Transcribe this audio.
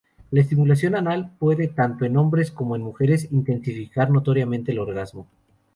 La estimulación anal puede, tanto en hombres como en mujeres, intensificar notoriamente el orgasmo.